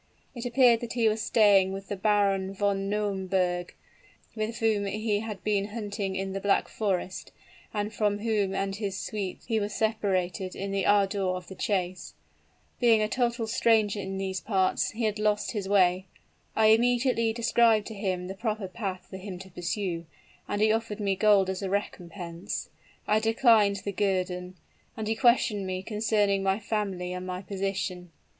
It appeared that he was staying with the Baron von Nauemberg, with whom he had been out hunting in the Black Forest, and from whom and his suite he was separated in the ardor of the chase. Being a total stranger in those parts, he had lost his way. I immediately described to him the proper path for him to pursue; and he offered me gold as a recompense. I declined the guerdon; and he questioned me concerning my family and my position.